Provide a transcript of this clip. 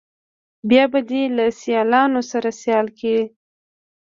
بیا به دې له سیالانو سره سیال کړي.